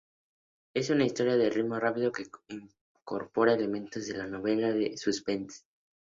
Es una historia de ritmo rápido que incorpora elementos de la novela de suspense.